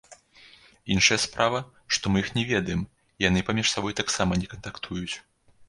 Іншая справа, што мы іх не ведаем, і яны паміж сабой таксама не кантактуюць.